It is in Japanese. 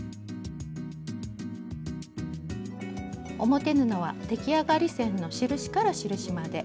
表布は出来上がり線の印から印まで。